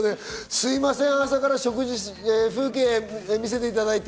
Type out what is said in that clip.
すみません、朝から食事風景を見させていただいて。